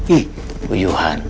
ih bu yuhan